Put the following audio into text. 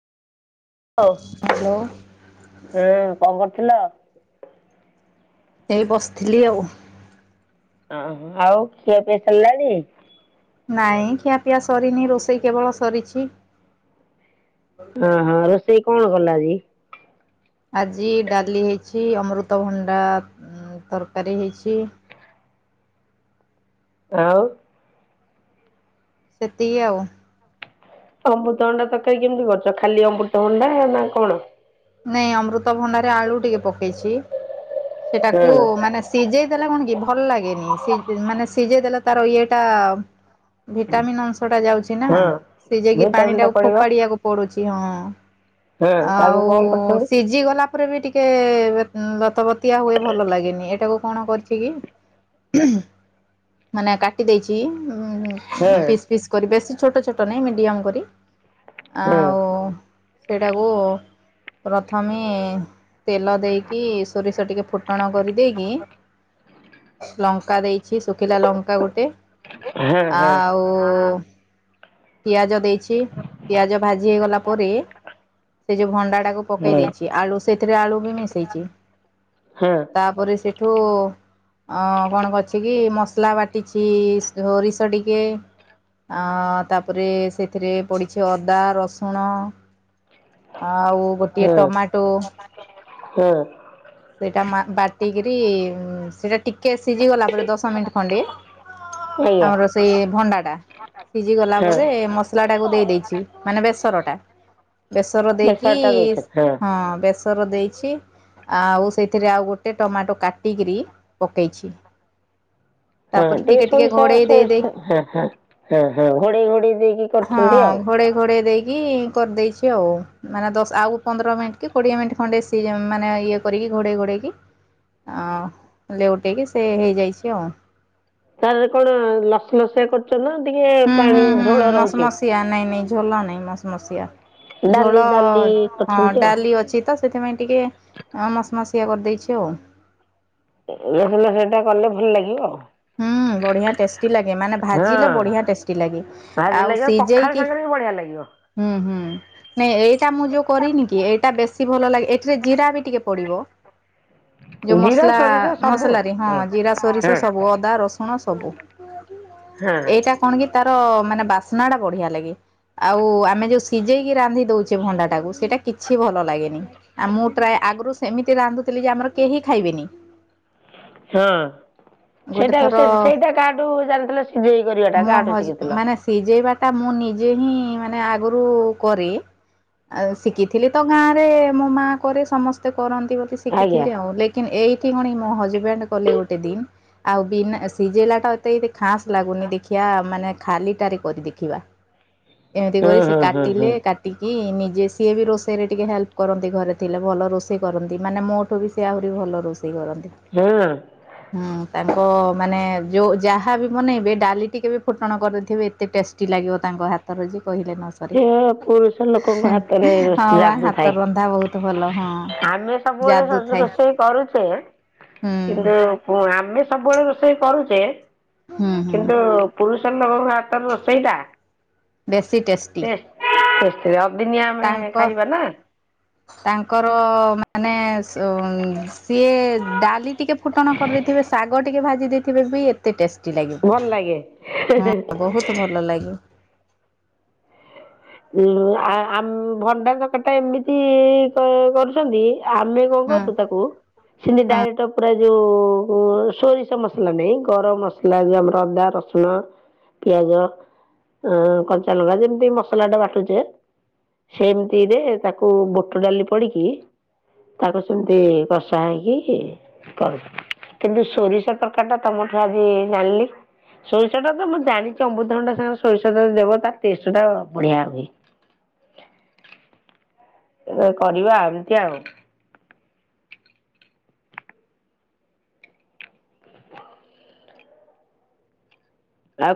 ଉୁଁ hello କଣ କରୁଥିଲ? ଏଇ ବସିଥିଲି ଆଉ। ଆ ଆଉ କ୍ଷିଅ ପିଆ ସାରିଲାଣି? ନାଇଁ ଖିଆ ପିଆ ସରିନି ରୋଷେଇ କେବଳ ସରିଛି। ହଁ ହଁ ରୋଷେଇ କଣ କଲ ଆଜି? ଆଜି ଡାଲି ହେଇଛି ଅମୃତଭଣ୍ଡା ତରକାରୀ ହେଇଛି। ଆଉ? ସେତିକି ଆଉ। ଅମୃତଭଣ୍ଡା ତରକାରୀ କେମିତି କରୁଛ ଖାଲି ଅମୃତଭଣ୍ଡା ନା କଣ? ନାଇଁ ଅମୃତ ଭଣ୍ଡାରେ ଆଳୁ ଟିକେ ପକେଇଛି ହଁ ସେଟାକୁ ମାନେ ସିଝେଇ ଦେଲେ କଣ କି ଭଲ ଲାଗେନି, ସି ମାନେ ସିଝେଇ ଦେଲେ ତାର ଇଏଟା ଭିଟାମିନ୍ ଅଂଶଟା ଯାଉଛି ନା ହଁ। ସେ ଯାଇକି ପାଣି ଭିଟାମିନ୍ ଟା ଟାକୁ ପଡିବ ଫୋପାଡିବାକୁ ପଡୁଛି ହଁ। ହଁ ତାକୁ ଆଉ କଣ କରୁଛନ୍ତି? ସେ ସିଝି ଗଲା ପରେ ବି ଟିକେ ଦତବତିଆ ହୁଏ ଭଲ ଲାଗେନି। ଏଇଟାକୁ କଣ କରିଛି କି ମାନେ କାଟି ଦେଇଛି। ହଁ ଫିସ୍ କରି ବେଶୀ ଛୋଟ ଛୋଟ ନାହିଁ ମିଡ଼ିୟମ କରି ହଁ ଆଉ ସେଇଟାକୁ ପ୍ରଥମେ ତେଲ ଦେଇକି ସୋରିଷ ଟିକେ ଫୁଟଣ କରିଦେଇକି ଲଙ୍କା ଦେଇଛି ଶୁଖିଲା ଲଙ୍କା ଗୋଟେ। ହଁ ଆଉ ଓ ପିଆଜ ଦେଇଛି, ପିଆଜ ଭାଜି ହୋଇ ଗୋଲା ପରେ ସେ ଯୋଉ ଭଣ୍ଡା ଟାକୁ ପକେଇ ହଁ ଦେଇଛି ଆଳୁ ସେଥିରେ ଆଳୁ ବି ମିଶେଇଛି। ହଁ ତାପରେ ସେ ଠୁ ଅଁ କଣ କରଛି କି ମସଲା ବାଟିଛି ସୋରିଷ ଟିକେ ଆ ତାପରେ ସେଥିରେ ପଡ଼ିଛି ଅଦା ରସୁଣ। ଆଉ ଗୋଟିଏ ହଁ ଟମାଟୋ। ହଁ ସେଇଟା ବାଟିକିରି ସେଟା ଟିକେ ସିଝି ଗଲା ପରେ ଦଶ ମିନିଟ୍ ଖଣ୍ଡେ ହଁ ଆଜ୍ଞା। ଆମର ସେଇ ଭଣ୍ଡା ଟା ସିଝି ଗଲା ପରେ ମସ ମସଲାଟାକୁ ଦେଇ ଦେଇଛି ମାନେ ବେସରଟା ବେସର ଦେଇକି ବେସରଟା ଦଉଛନ୍ତି। ହଁ ବେସର ଦେଇଛି। ଆଉ ସେଥିରେ ଆଉ ଗୋଟେ ଟମାଟୋ କାଟିକରି ପକେଇଛି। ତାପରେ ଟିକେ ଟିକେ ଘୋଡ଼େଇ ଦେଇ ଦେଇ [inaudible] ହଁ ଆଉ। ଘୋଡେଇ ଘୋଡେଇ ଦେଇକି। କରିଦେଇଛି ଆଉ ମାନେ ଦଶ ଆଉ ପନ୍ଦର ମିନିଟ୍ କି କୋଡିଏ ମିନିଟ୍ ଖଣ୍ଡେ ସିଯେମ ମାନେ ଇଏ। କରିକି ଘୋଡ଼େଇ ଘୋଡ଼େଇକି ଲେଉଟେଇକି ସେ ହେଇଯାଇଛି ଆଉ। ତାର କଣ ଲସଲସଆ କରୁଛ ନା ଟିକେ ହୁଁ ହୁଁ ପାଣି ହୁଁ ଝୋଳ ମସ ରହୁଛି? ନାଇଁ ମସିଆ ନାଇଁ ଝୋଳ ନାଇଁ ମସ ମସିଆ ଡାଲି ଝୋଳ ଡାଲି ହଁ କରୁଛନ୍ତି ଡାଲି ଅଛି। ତ ସେଥିପାଇଁ ଟିକେ ମସ ମସିଆ କରିଦେଇଛି ଆଉ। ଇଏ ହେଲେ ସେଟା କଲେ ଭଲ ଲାଗିବ ଆଉ। ବଢିଆ ଟେଷ୍ଟି ଲାଗେ ମାନେ ଭାଜିଲେ ହଁ ବଢିଆ ଟେଷ୍ଟି ଲାଗେ ଭାରି ଆଉ ଲାଗିବ ପଖାଳ ସିଝେଇକି। ସାଙ୍ଗରେ ବି ବଢିଆ ଲାଗିବ। ହୁଁ ହୁଁ। ନାଇଁ ଏଇଟା ମୁଁ ଯୋଉ କରିନି କି ଏଇଟା ବେଶୀ ଭଲ ଲାଗେ ଏଠିରେ ଜିରା ବି ଟିକେ ପଡିବ। ଯୋଉ ଜିରା ମସଲା ସୋରିଷ ସବୁ ହୁଁ ମସଲା ହଁ ହୁଁ ଜିରା ସୋରିଷ ସବୁ ହଁ। ଅଦା ରସୁଣ ସବୁ ଏଇଟା। କଣ କି ତାର ମାନେ ବାସ୍ନା ଟା ବଢିଆ ଲାଗେ ଆଉ ଆମେ ଯୋଉ ସିଝେଇକି ରାନ୍ଧି ଦଉଛେ ଭଣ୍ଡା ଟାକୁ ସେଇଟା କି ଛି ଭଲ ଲାଗେନି ଆ ମୁଁ ପ୍ରାୟ ଆଗରୁ ସେମିତି ରାନ୍ଧୁଥିଲି ଯେ ଆମର କେହି ଖାଇବେନି। ହଁ ଗୋଟେ ସେଇଟା ଥର ସେଇଟା କାହାଠୁ ଜାଣିଥିଲ ସିଝେଇ କରିବାଟା ମୋ କାହାଠୁ ହଜ ଶିଖିଥିଲ? ମାନେ ସିଝେଇବା ଟା ମୁଁ ନିଜେ ହିଁ ମାନେ ଆଗରୁ କରେ। ଆଉ ଶିଖିଥିଲି ତ ଗାଁ ରେ ମୋ ମା କରେ ସମ ସ୍ତେ କରନ୍ତି ବୋଲି ଆଜ୍ଞା ଶିଖିଥିଲି ଆଉ ଲେକିନ ଏଇଠି ପୁଣି ମୋ ହଜବେଣ୍ଡ କଲେ ଗୋଟେ ଦିନ। ଆଉ ବିନା ସିଝେଇଲା ଟା ଏତେ ଖାସ ଲାଗୁନି ଦେଖିବା ମାନେ। ଖାଲିଟାରେ କରି ଦେଖିବା ଏମିତି ହୁଁ କରି ସେ ହୁଁ ହୁଁ କାଟିଲେ ହୁଁ କା ଟିକି ନିଜେ ସିଏ ବି ରୋଷେଇରେ ଟିକେ ହେଲ୍ପ କରନ୍ତି ଘରେ ଥିଲେ ଭଲ ରୋଷେଇ କରନ୍ତି ମାନେ ମୋଠୁ ବି। ସେ ଆହୁରି ଭଲ ରୋଷେଇ କରନ୍ତି। ହଁ। ହଁ। ତାଙ୍କ ମାନେ ଯେଉଁ ଯାହାବ ବନେଇବେ ଡାଲି ଟିକେ ବି ଫୁଟଣ କରିଦେଇଥିବେ ଏତେ ଟେଷ୍ଟି ଲାଗିବ ତାଙ୍କ ହାତ। ର ଯେ କହିଲେ ନ ସରେ ସେ ପୁରୁଷ ଲୋକଙ୍କ ହାତରେ ହଁ ବା ହାତ ଯାଦୁଥାଏ ରନ୍ଧା ବହୁତ ଭଲ ହଁ। ଆମେ। ଯାଦୁ ସବୁବେଳେ ଥାଏ ରୋଷେଇ କରୁଛେ। ହୁଁ। ହୁଁ ଆମେ ସବୁବେଳେ ରୋଷେଇ କରୁଛେ ହୁଁ ହୁଁ କିନ୍ତୁ। ପୁରୁଷର ଲୋକଙ୍କ ହାତରେ ରୋଷେଇଟା। ବେଶୀ ଟେଷ୍ଟ। ଅବଦିନିଆ ଆମେ ତାଙ୍କ ଖାଇବା ନା। ତାଙ୍କର। ମାନେ ସିଏ ଡାଲି ଟିକେ ଫୁଟଣ କରିଦେଇଥିବେ ଶାଗ। ଟିକେ ଭାଜି ଦେଇଥିବେ ବି ଏତେ ଟେଷ୍ଟି ଭଲ ଲାଗେ। ଲାଗିବ ହଁ ବହୁତ ଭଲ ଲାଗେ। ଉ ଆ ଭଣ୍ଡା କଟା ଏମିତି କରୁଛନ୍ତି ଆମେ। କଣ ହଁ କରଛୁ ତାକୁ। ସେମିତି ଡାଇରେକ୍ଟ ପୁରା ଯୋଉ ସୋରିଷ ମସଲା ନହିଁ ଗରମ ମସ ମସଲା ଆମର ଅଦା ରସୁଣ ପିଆଜ କଞ୍ଚାଲଗା ଯେମତି ମସ ମସଲା ଟା ବାଟୁଛେ ସେମିତିରେ ତାକୁ ବୁଟ ଡାଲି ପଡିକି। ତାକୁ ସେମିତି କଷା ହେଇକି। କର କିନ୍ତୁ ସୋରିଷ ତକାରି ଟା ତମଠୁ ଆଜି ଜଣିଲି। ସୋରିଷ ଟା ତ ମୁଁ ଜାଣିଚି ଅମୃତଭଣ୍ଡା ସାଙ୍ଗରେ ସୋରିଷଟା ଦେବ ତାର ଟେଷ୍ଟ ଟା ବଢିଆ ହୁଏ କେବେ କରିବା ଏମିତି ଆଉ। ଆଉ